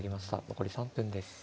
残り３分です。